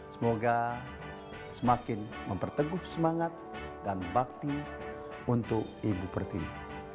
semoga semakin memperteguh semangat dan bakti untuk ibu pertiwi